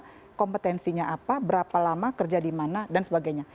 nah kompetensinya apa berapa lama kerja di mana dan sebagainya